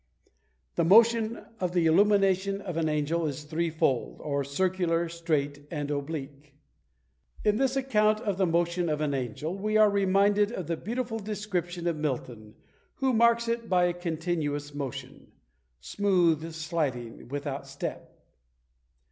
The motion of the illumination of an angel is threefold, or circular, straight, and oblique. In this account of the motion of an angel we are reminded of the beautiful description of Milton, who marks it by a continuous motion, "Smooth sliding without step."